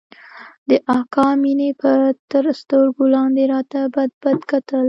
د اکا مينې به تر سترگو لاندې راته بدبد کتل.